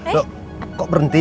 loh kok berhenti